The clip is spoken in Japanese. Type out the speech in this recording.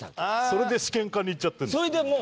それで試験官にいっちゃってるんですか？